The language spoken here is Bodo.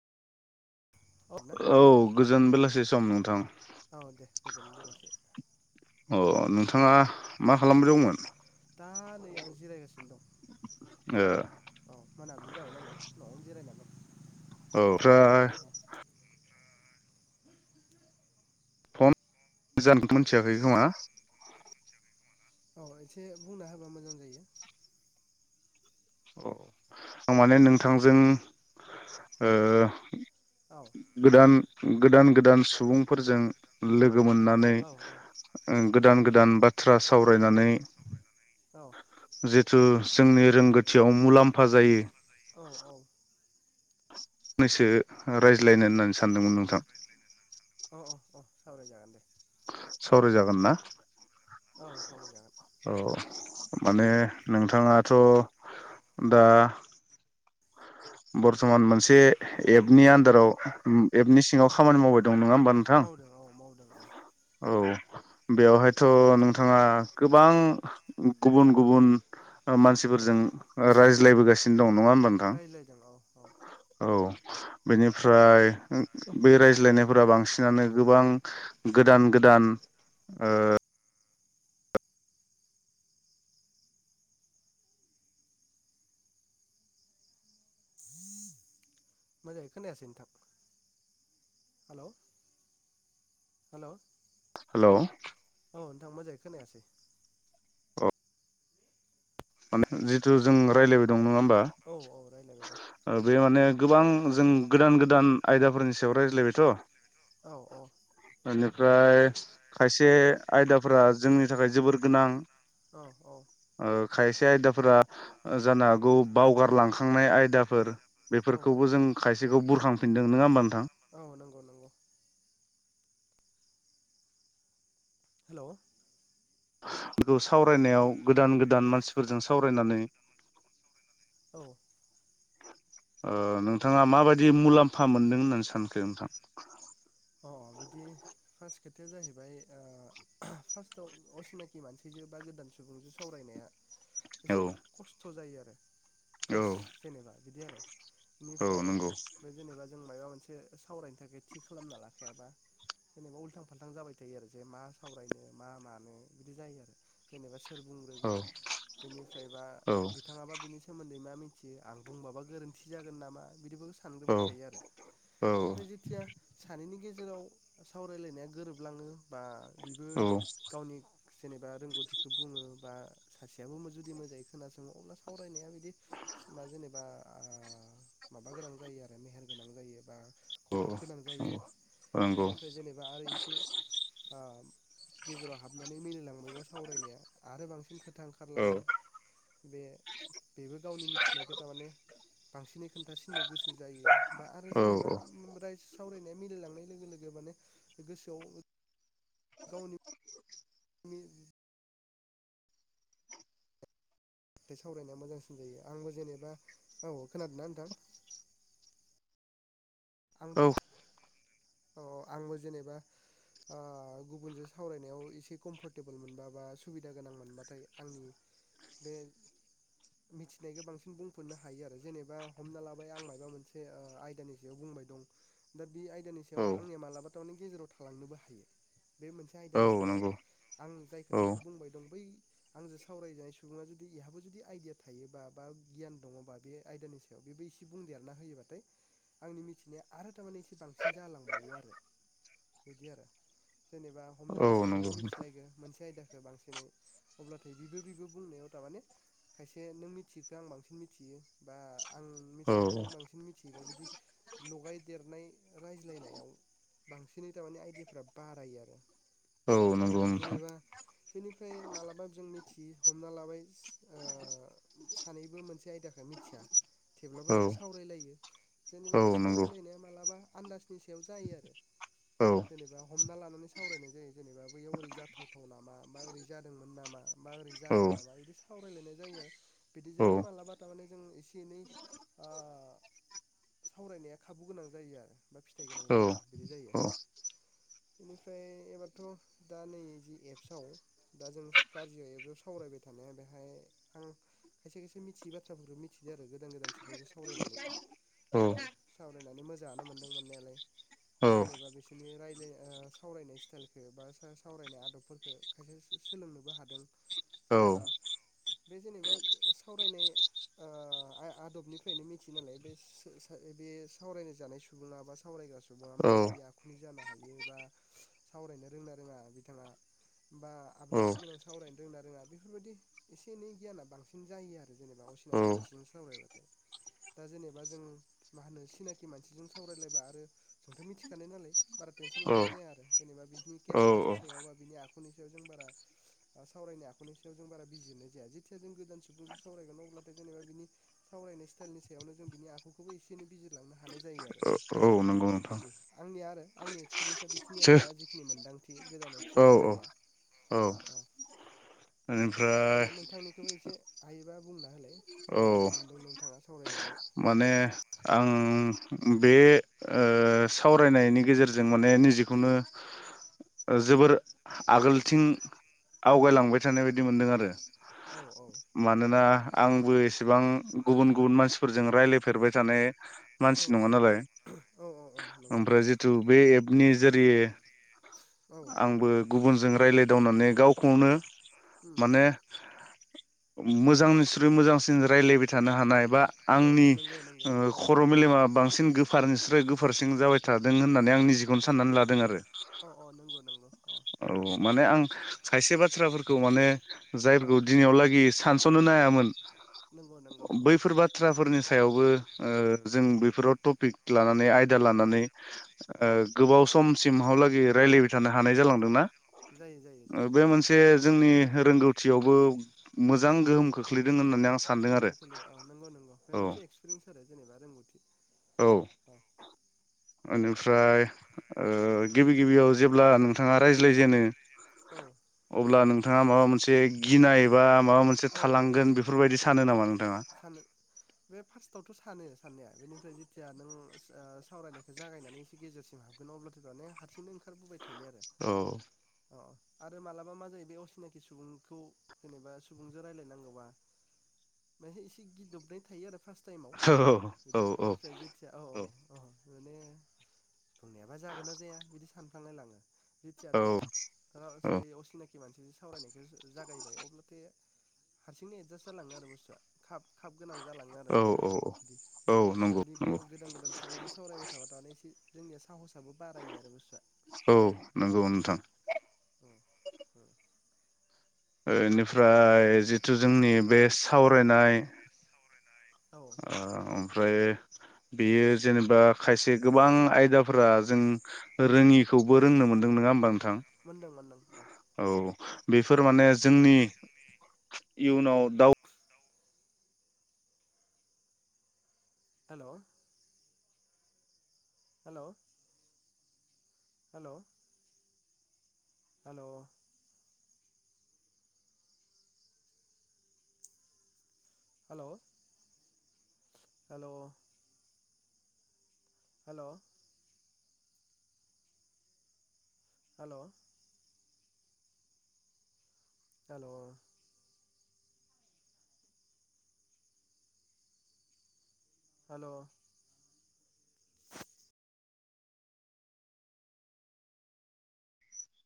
औ गोजोन बेलासे। सम नोंथां। औ दे गोजोन बेलासि अ नोंथाङा मा [unintelligible] दा नै आं जिरायगासिनो दं। ओ अ मानाबिलि जाबाय नालाय। औ जिरायना दं। औ ओमफ्राय। औ फन जानो मिथियाखै खोमा। औ एसे बुंना होबा मोजां जायो। अ आं माने नोंथांजों ओ- औ गोदान। गोदान गोदान सुबुंफोरजों लोग गो मोननानै औ औ गोदान गोदान बाथ बाथ्रा सावरायनानै जोंनि रोंगोथियाव मुलाम्फा जायो जि थु जोंनि रोंगौथियाव मुलाम्फा जायो। औ [inaudible] फंनैसो रायज्लायनो होननानै सानदोंमोन नोंथां। अ अ अ सावराय जागोन दे। सावरायजागोन ना? औ सवराय जागोन। औ माने नोंथाङाथ' दा बरथमान मोनसे एपनि आन्दाराव एपनि सिङाव खामानि मावबाय दं नङा होमबा नोंथां मावदों औ मावदों औ औ बेवहायथ' नोंथाङा गोबां गुबुन गुबुन औ मानसिफोरजों रायज ज्लायबोगासिनो दं नङा होनोमब नोंथां? रायज्लायदों औ औ औ बेनिफ्राय बे रायज्लायनायफोरा बांसिनानो गोबां गोदान गोदान ओ मजाङै खोनायासै नोंथां हेलौ हेल' हेल' औ नोंथां मोजाङै खोनायासै औ माने जिथु जों राय्लायबाय दं नङा ओम बा औ औ रायज्लायबाय दं ओ बे माने गोबां जों गोदान गोदान आयदाफोरनि सायाव रायज्लायबायथ' औ औ बेनिफ्राय खायसे आयदाफोरा जोंनि थाखाय जोबोर गोनां औ औ ओ खायसे आयदाफोरा जानो हागौ बावगारलांखांनाय आयदाफोर औ बेफोरखौबो जों खायसेखौ बुरहां दों नङा ओनबा ओनथां औ नंगौ नंगौ हेल' सावरायनायाव गोदान गोदान मानसिफोरजों सावरायनानै औ ओ नोंथाङा माबायदि मुलाम्फा मोनदों होननानै सानखो नोंथां? अ बिदि खोथाया जाहैबाय फार्स्टआव असिनाखि मानसिजों बा गोदान सुबुंजो सावरायनाया औ [inaudible] औ फास जेनेबा बिदि आरो औ नंगौ [inaudible] जों माबा मोनसे सावरायनो थाखाय थि खालाम ना ला [inaudible] [inaudible] आं औ औ बुंबाबा गोरोन्थि जागोन नामा बिदिबो [inaudible] औ औ नायनि गेजेराव सावरायलायनाया गोरोबलाङो। बा बेबो गावनि जेनेबा रोंगौथिखौ बुङो बा सासेयाबो जुदि मोजाङै खोनासङो अब्ला सावरायनाया बि दि मा जेनेबा आ माबा गोनां जायो आरो मेहेर गोनां जायो बा औ खहाब औ गोनां जायो नंगौ। आरो बेनिफ्राय जेनेबा आरो इसे आ गेजेराव हाबनानै मिलायलांबायबा सावरायनाया आरो बांसिन खो था औ ओंखारलाङो बे बेबो गावनि मिथिनायखौ थारमाने बांसिनै खोन्थासिननो गोसो जायो बा आरो औ औ जेनेबा [unintelligible] मिलायलांनाय लोगो लोगो माने गोसोआव गावनि [unintelligible] बे सावरायनाया मोजांसिन जायो आंबो जेनेबा औ खोनादोंना नोंथां? [inaudible] औ आंबो जेनेबा अ गुबुनजों सावरायनायाव एसे कमफर्टेबोल मोनबा बा सुबिदा गोनां मोनबाथाय आंनि बे मिथिनायखौ बांसिन बुंफिननो हायो आरो जेनेबा हमना लाबाय आं माबा मोनसे आयदानि सायाव बुंबाय दं [unintelligible] बे आयदानि सायाव औ आंनिया मालाबा [unintelligible] गेजेराव थालांनोबो हायो बे मोनसे औ आयदानि सायाव आरो नंगौ आं जाय औ खोथाखौ बुंबाय दं बै आंजों सावरायजानाय सुबुङा जुदि बेहाबो जुदि आइदिया थायोबा बा गियान दङबा बे आयदानि सायाव बेबो एसे बुं देरना होयोबाथाय आंनि मिथिनाया आरो [unintelligible] एसे बांसिन जालांबावो आरो बिदि आरो। जेनेबा हमना औ ला सानैबो नंगौ नोंथां मिथिलायो मोनसे आयदा खौ बांसिनै अब्लाथाय बिबो बिबो बुंनायाव तारमाने खायसे नों मिथियिखौ आं बांसिन मिथियो बा आं औ मिथिनायखो नों बांसिन मिथि या बिदि लगाय देरनाय रायज्लायनायाव बांसिनै थारमाने आयदियाफ्रा बारायो आरो औ नंगौ बिदि नोंथां जेनेबा बेनिफ्राय मालाबा जों मिथि हमना लाबाय ओ सानैबो मोनसे आयदाखौ मिथिया थेवब्लाबो औ जों सावरायलायो जेनेबा औ बे नंगौ सावरायलायनाया मालाबा आनदाजनि सायाव जायो आरो औ जेनेबा हमना लानानै सावरायनाय जायो जेनेबा बैयाव ओरै जाथावथाव नामा बा ओरै जादोंमोन नामा बा ओरै औ जागोन नामा बिदि सावरायलायनाय जायो औ बिदिजोंबो मालाबा थारमाने जों एसे एनै आ सावरायनाया खाबु गोनां जायो आरो बा फिथाइ गोनां औ जायो बिदि जायो औ बिनिफ्रायबाथ' दा नै जि एप्स आव दा जों [unintelligible] सावरायबाय थानाया बेहाय आं खायसे खायसे मिथियै बाथ्राफोरखौ मिथिदो आरो गोदान गोदान सुबुंजों सावरायनानै औ बिदि सावरायनानै मो जाङानो मोनदों मोननायालाय औ बे जेनेबा बिसोरनि रायलाय ओ सावरायनाय स्टाइलखौ बा सावरायनाय आदबफोरखौ खायसे सोलोंनोबो हादों जेनेबा बे जेनेबा सावरायनाय आ आय आदबनिफ्रायनो मिथियो नालाय बे [unintelligible] सावरायनाय जानाय सुबुङा बा सावरायग्रा सुबुंआ माबायदि आखुनि जानो हायो बा सावरायनो रोङोना रोङा बिथाङा बा आब्रुथि गोनां सावरायनो रोङोना रोङा बेफोरबायदि एसे एनै गियाना बांसिन जायो आरो जेनेबा असिनाखि मानसिजों सावरायबाथाय दा जेनेबा जों मा होनो [unintelligible] मानसिजों सावरायलायबा आरो जोंथ' मिथिखानाय नालाय बारा टेनसन लानाय जाया आरो जेनेबा बिनि औ केरेक्टारनि सायाव बा बिनि आखुनि सायाव जों बारा सावरायनाय आखुनि सायाव जों बारा बिजिरनाय जाया जेथिया जों गोदान सुबुंजों सावरायगोन अब्लाथ' जेनेबा बिनि सावरायनाय स्टाइलनि सायावनो जों बिनि आखुखौबो एसे एनै बिजिरलांनो हा नाय जायो आरो औ औ नंगौ नोंथां बिदि आंनि आरो आंनि एक्स पिरेन्सा बेखिनि आरो दा सो जिखिनि मोनदां थिम गोदान एफस'आव औ औ सावरायनाया औ अ बेनिफ्राय देलाय नोंथांनिखौबो एसे हायोबा बुंना होलाय औ बोरै बोरै मोनदों नोंथाङा सावरायनानै। माने आं बे ओ सावरायनायनि गेजेरजों माने निजेखौनो ओ जोबोर आगोलथिं आवगायलांबाय थानाय बायदि मोन्दों आरो। औ औ मानोना आंबो एसेबां गुबुन गुबुन मानसिफोरजों रायज्लायफेरबाय थानाय। औ मानसि औ नङा नालाय। औ नंगौ ओमफ्राय नंगौ जिथु बे एपनि जेरै औ उम आंबो गुबुनजों। रायज्लायदावनानै गावखौनो। माने मोजांनिख्रुइ मोजांसिन रायज्लायबाय थानो हानाय बा औ औ आंनि नंगौ ओ नंगौ औ खर' मेलेमा बांसिन गोफारनि गोफ फोरसिं जाबाय थादों होननानै आं निजिखौनो साननानै लादों आरो। अ अ नंगौ नंगौ अ। औ [unintelligible] खायसे बाथ्राफोरखौ माने औ जायफोरखौ दिनैयाव लागि सानस'नो हायामोन नंगौ नंगौ औ बैफोर बाथ्राफोरनि सायावबो ओ जों बेफोराव टपिक लानानै आयद दा लानानै औ ओ गोबाव समसिम। हालागि रायलायबाय थानो हानाय जालांदों ना। जायो जायो बे जायो औ मोनसे जोंनि रोंगौथियावबो मोजां गोहोम खोख्लैदों होननानै आं सानदों आरो सोलोंदों सोलोंदों अ नंग' नंग' बे औ मोनसे एक्सपिरियेन्स आरो जेनेबा रोंगौथि औ। ओनिफ्राय ओ गिबि गिबियाव जेब्ला नोंथाङा रायज्लाय जेनो। अब्ला नों नोंथाङा माबा मोनसे गिनाय एबा माबा मोनसे औ औ औ थालांगोन बेफोरबायदि सानो नामा नोंथाङा? सानो बे फार्स्टआवथ' सानो साननाया बेनिफ्राय जेथिया नों आ सावरायनायखौ जागायनानै एसे गेजेरसिम हाबगोन अब्लाथ' दाने हारसिंनो ओंखारबोबाय थायो आरो औ अ आरो मालाबा मा जायो बे असिनाखि सुबुंखौ जेनेबा सुबुंजों रायलायनांगौबा माने एसे गिदोबनाय थायो आरो फार्स टाइमाव औ औ बिदि बिनिफ्राय जेथिया अ अ माने बेबा जागोन ना जाया बिदि सान सानलायलाङो जेथिया औ नों आ औ असिनाखि मानसिजों सावरायनायखौ जागायो अब्लाथे हारसिंनो एदजास्ट जालाङो आरो बुस्थुआ खाफ- खाफ गोनां जालाङो आरो औ बुस्थुआ औ औ नंगौ बिदि नंगौ गोदान गोदान सुबुंजों सावरायबाय थाबा दानो एसे जोंनिआ सो साहसाबो बारायो आरो बुस्थुआ। औ नंगौ उम नोंथां नोंखौ नोंथां। ओनिफ्राय जिथु जोंनि बे सावरायनाय औ आ आमफ्राय बेयो जेनेबा खायसे गोबां आयदाफोरा जों रोङिखौबो रोंनो मोनदों नङा होमबा थां मोनदों मोनदों अ औ। बेफोर माने जोंनि इयुनाव दाउ हेल'? हेल'। हेल'। हेल'। हेल'? हेल'? हेल'? हेल'? हेल'? हेल'?